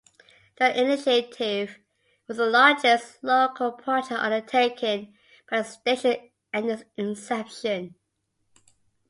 The initiative was the largest local project undertaken by the station at its inception.